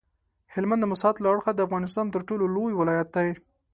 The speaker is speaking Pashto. هلمند د مساحت له اړخه د افغانستان تر ټولو لوی ولایت دی.